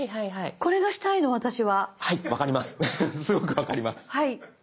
すごく分かります。